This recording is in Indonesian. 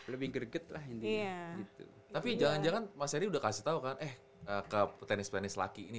lebih gerget lah ini tapi jangan jangan mas jadi udah kasih tahu kan eh ke petenis penis laki ini